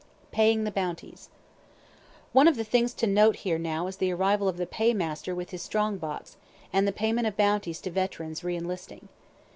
PAYING THE BOUNTIES One of the things to note here now is the arrival of the paymaster with his strong box, and the payment of bounties to veterans re enlisting.